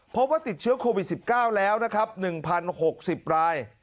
พบว่าติดเชื้อโควิด๑๙แล้วนะครับ๑๐๖๐ราย